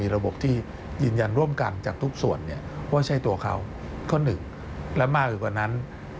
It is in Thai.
และมากกว่านั้น